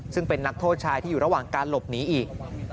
ซึ่งเป็นนักโทษชายที่อยู่ระหว่างการหลบหนีอีก